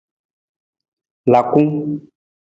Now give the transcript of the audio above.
Laku.